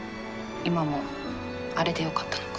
今もあれでよかったのか。